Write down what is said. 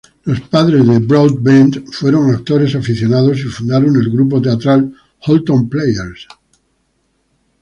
Los padres de Broadbent fueron actores aficionados y fundaron el grupo teatral Holton Players.